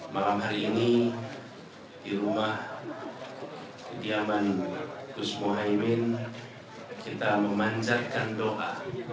malam hari ini di rumah diaman kusmoha imin kita memanjatkan doa